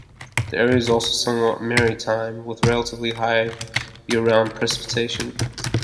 The area is also somewhat maritime, with relatively high year-round precipitation.